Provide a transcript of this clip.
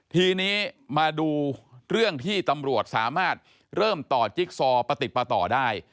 ทีนี้มาดูเรื่องที่ตำรวจสามารถเริ่มต่อจิ๊กซอประติดประต่อได้